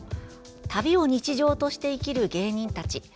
旅を日常として生きる芸人たち。